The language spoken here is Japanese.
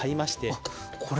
あっこれ